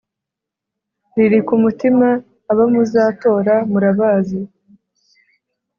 riri ku mutima abo muzatora murabazi.